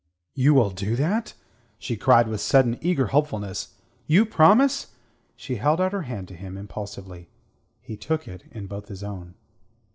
"You will do that!" she cried with sudden eager hopefulness. "You promise?" She held out her hand to him impulsively. He took it in both his own.